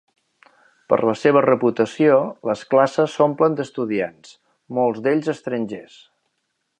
Per la seva reputació, les classes s'omplen d'estudiants, molts d'ells estrangers.